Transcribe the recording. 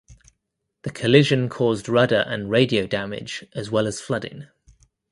The collision caused rudder and radio damage as well as flooding.